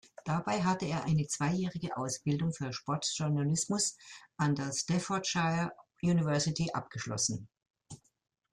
Dabei hatte er eine zweijährige Ausbildung für Sportjournalismus an der Staffordshire University abgeschlossen.